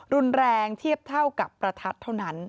เทียบเท่ากับประทัดเท่านั้น